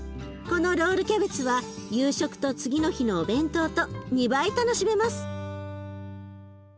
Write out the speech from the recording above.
このロールキャベツは夕食と次の日のお弁当と２倍楽しめます。